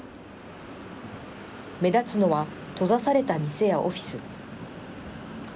目立つのは閉ざされた店やオフィス。